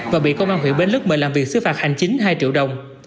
và bị công an huyện bến lức mời làm việc xứ phạt hành chính hai triệu đồng